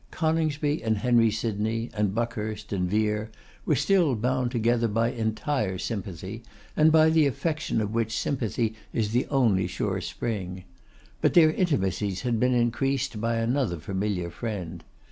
Coningsby and Henry Sydney, and Buckhurst and Vere, were still bound together by entire sympathy, and by the affection of which sympathy is the only sure spring. But their intimacies had been increased by another familiar friend.